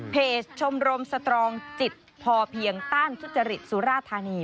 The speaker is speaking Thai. เพจชมรมสตรองจิตพอเพียงต้านทุจริตสุราธานี